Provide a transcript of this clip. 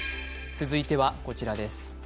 続いてはこちらです。